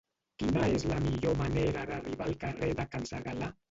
Quina és la millor manera d'arribar al carrer de Can Segalar?